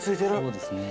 そうですね。